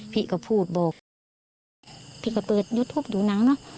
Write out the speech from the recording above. พี่ก็พูดบอกพี่ก็เปิดยูทูปดูน้ำเนอะ